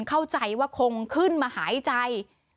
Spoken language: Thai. เข้าใจว่าคงขึ้นมาหายใจ